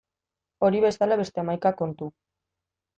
Hori bezala beste hamaika kontu.